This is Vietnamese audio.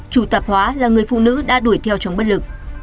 chủ tạp hóa là người phụ nữ đã đuổi theo trong bất lực